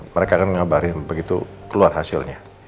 mereka kan ngabarin begitu keluar hasilnya